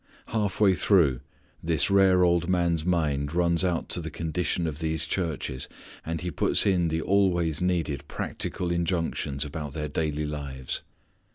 Halfway through this rare old man's mind runs out to the condition of these churches, and he puts in the always needed practical injunctions about their daily lives.